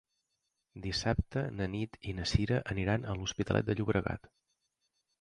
Dissabte na Nit i na Sira aniran a l'Hospitalet de Llobregat.